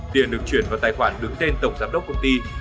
tiền được chuyển vào tài khoản đứng tên tổng giám đốc công ty